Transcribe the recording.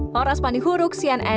aura spani hurug cnn indonesia